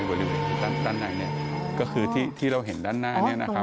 บริเวณด้านในเนี่ยก็คือที่เราเห็นด้านหน้าเนี่ยนะครับ